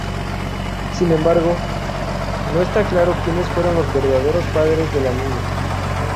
Sin embargo, no está claro quienes fueron los verdaderos padres de la niña.